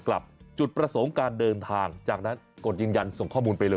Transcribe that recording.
กดยืนยันส่งข้อมูลไปเลย